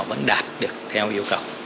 họ vẫn đạt được theo yêu cầu